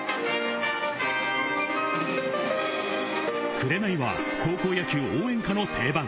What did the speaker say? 『紅』は高校野球応援歌の定番。